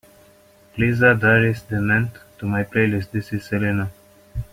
Please add Iris DeMent to my playlist this is selena